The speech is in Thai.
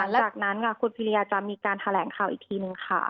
หลังจากนั้นค่ะคุณพิริยาจะมีการแถลงข่าวอีกทีนึงค่ะ